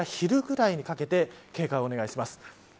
これから昼ぐらいにかけて警戒をお願いします。